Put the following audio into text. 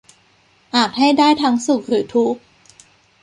อาจให้ได้ทั้งสุขหรือทุกข์